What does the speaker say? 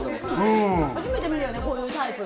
初めて見るよね、こういうタイプ。